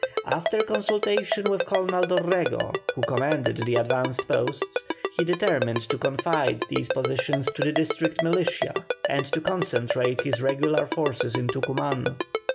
After consultation with Colonel Dorrego, who commanded the advanced posts, he determined to confide these positions to the district militia and to concentrate his regular forces in Tucuman.